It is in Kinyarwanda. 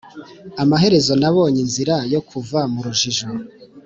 amaherezo nabonye inzira yo kuva mu rujijo.